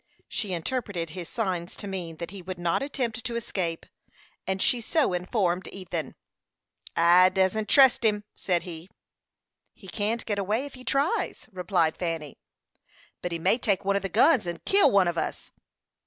She interpreted his signs to mean that he would not attempt to escape, and she so informed Ethan. "I dassent trust him," said he. "He can't get away if he tries," replied Fanny. "But he may take one of the guns and kill one on us."